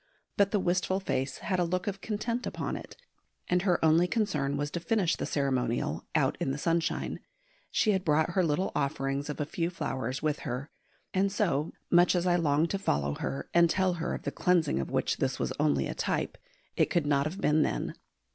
But the wistful face had a look of content upon it, and her only concern was to finish the ceremonial out in the sunshine she had brought her little offerings of a few flowers with her and so, much as I longed to follow her and tell her of the cleansing of which this was only a type, it could not have been then.